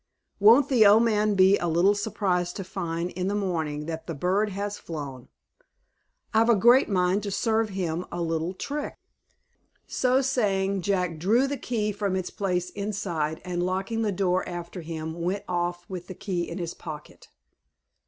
Won't the old man be a little surprised to find, in the morning, that the bird has flown? I've a great mind to serve him a little trick." So saying, Jack drew the key from its place inside, and locking the door after him, went off with the key in his pocket.